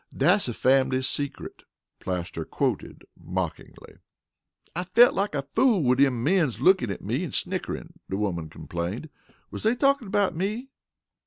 "Dat's a fambly secret," Plaster quoted mockingly. "I felt like a fool wid dem mens lookin' at me an' snickerin'," the woman complained. "Wus dey talkin' about me?"